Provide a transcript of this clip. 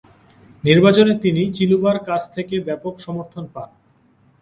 নির্বাচনে তিনি চিলুবা’র কাছ থেকে ব্যাপক সমর্থন পান।